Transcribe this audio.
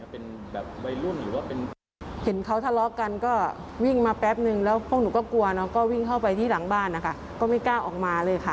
เป็นแบบวัยรุ่นหรือว่าเป็นเห็นเขาทะเลาะกันก็วิ่งมาแป๊บนึงแล้วพวกหนูก็กลัวเนอะก็วิ่งเข้าไปที่หลังบ้านนะคะก็ไม่กล้าออกมาเลยค่ะ